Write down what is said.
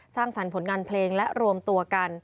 สร้างสรรค์ผลงานเพลงและรวมตัวกัน